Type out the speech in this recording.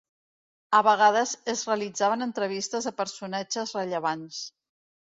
A vegades es realitzaven entrevistes a personatges rellevants.